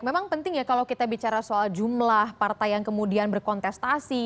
memang penting ya kalau kita bicara soal jumlah partai yang kemudian berkontestasi